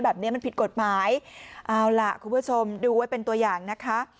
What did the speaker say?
แบบนี้มันผิดกฎหมายเอาล่ะคุณผู้ชมดูไว้เป็นตัวอย่างนะคะ